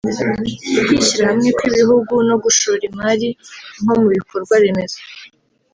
ukwishyira hamwe kw’ibihugu no gushora imari nko mu bikorwa remezo